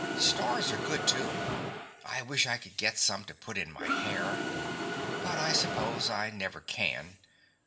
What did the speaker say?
Stars are good, too. I wish I could get some to put in my hair. But I suppose I never can.